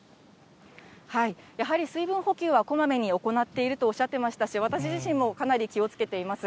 やはり水分補給はこまめに行っているとおっしゃっていましたし、私自身もかなり気をつけています。